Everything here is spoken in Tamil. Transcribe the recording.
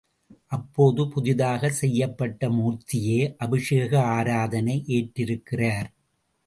அப்போது புதிதாகச் செய்யப்பட்ட மூர்த்தியே அபிஷேக ஆராதனை ஏற்றிருக்கிறார்.